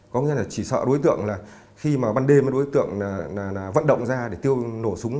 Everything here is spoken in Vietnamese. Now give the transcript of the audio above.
có nghĩa là chỉ sợ đối tượng là khi mà ban đêm đối tượng vận động ra để tiêu nổ súng